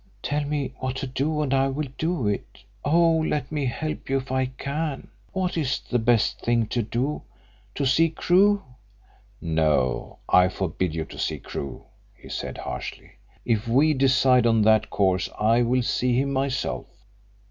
"Tell me what to do, and I will do it. Oh, let me help you if I can. What is the best thing to do? To see Crewe?" "No. I forbid you to see Crewe," he said harshly. "If we decide on that course I will see him myself."